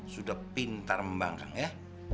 sudah pintar membangkang ya